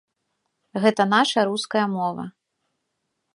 Гэта наша руская мова.